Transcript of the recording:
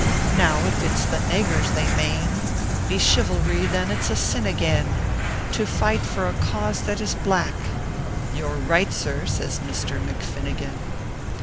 Now if it s tho nagurs they mane Be chivalry, (hen it s a sin again To fight for a cause that is black " "You re right, sir," says Misther McFinnigan.